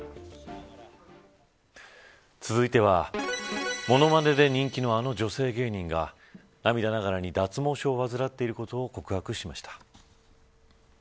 続いては物まねで人気のあの女性芸人が涙ながらに、脱毛症を患っていることを告白しました。